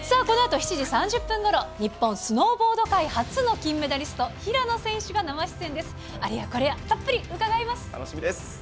このあと、７時３０分ごろ、日本スノーボード界初の金メダリスト、平野選手が生出演です。